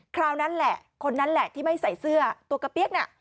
คราวนั้นแหละคนนั้นแหละที่ไม่ใส่เสื้อตัวกระเปี๊ยกน่ะ